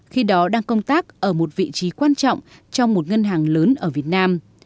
khi đó đang công tác ở một vị trí quan trọng trong một ngân hàng lớn ở việt nam